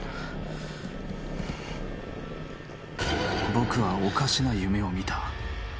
「僕はおかしな夢を見た」